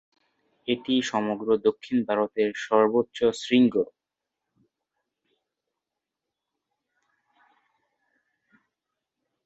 এটি সমগ্র দক্ষিণ ভারতের সর্বোচ্চ শৃঙ্গ।